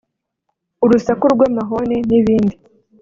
urusaku rw’amahoni n’ibindi